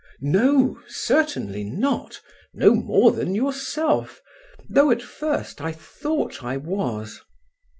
"No, certainly not, no more than yourself, though at first I thought I was."